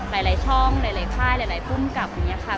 หลายช่องหลายค่ายหลายภูมิกับอย่างนี้ค่ะ